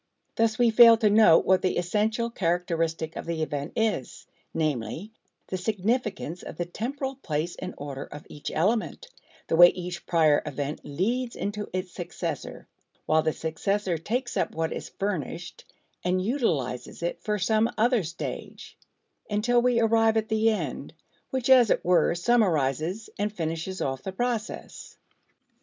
Thus we fail to note what the essential characteristic of the event is; namely, the significance of the temporal place and order of each element; the way each prior event leads into its successor while the successor takes up what is furnished and utilizes it for some other stage, until we arrive at the end, which, as it were, summarizes and finishes off the process.